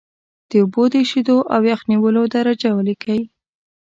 د اوبو د ایشېدو او یخ نیولو درجه ولیکئ.